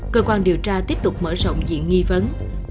cơ quan điều tra tiếp tục mở rộng diện nghi vấn